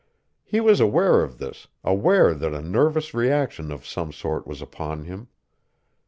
He was aware of this, aware that a nervous reaction of some sort was upon him.